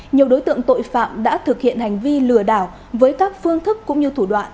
nhiều đối tượng tội phạm đã thực hiện hành vi lừa đảo với các phương thức cũng như thủ đoạn